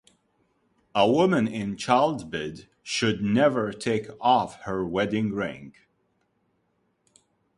A woman in childbed should never take off her wedding-ring.